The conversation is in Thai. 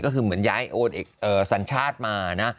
ก็คือเหมือนย้ายโอนสัญชาติมานะ